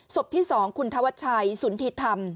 สบที่๒คุณทวชัยสุนทีธรรม